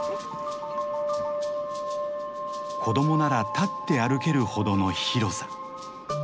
子供なら立って歩けるほどの広さ。